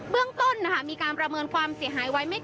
เบื้องต้นมีการประเมินความเสียหายไว้ไม่เกิน๔๐ล้านบาทค่ะ